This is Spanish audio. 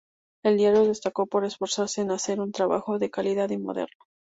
El diario destacó por esforzarse en hacer un trabajo de calidad y moderno.